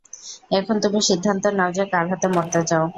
এখন তুমি সিদ্ধান্ত নাও যে, কার হাতে মরতে চাও।